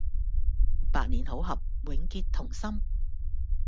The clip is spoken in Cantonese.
百年好合、永結同心